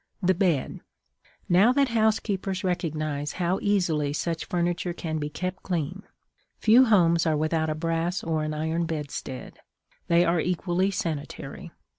THE BED. Now that housekeepers recognize how easily such furniture can be kept clean, few homes are without a brass or an iron bedstead; they are equally sanitary.